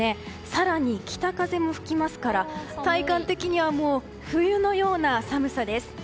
更に、北風も吹きますから体感的には冬のような寒さです。